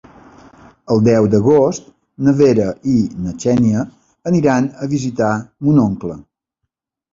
El deu d'agost na Vera i na Xènia aniran a visitar mon oncle.